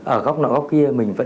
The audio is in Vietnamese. ở góc nào góc kia